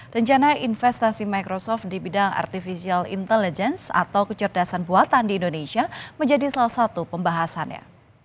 rencana investasi microsoft di bidang artificial intelligence atau kecerdasan buatan di indonesia menjadi salah satu pembahasannya